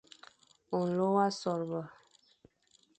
Nlô wa sôrba,